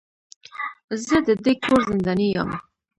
زه د دې کور زنداني يم.